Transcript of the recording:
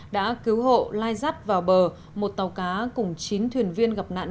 đã cứu hộ lai dắt vào bờ một tàu cá cùng chín thuyền viên gặp nạn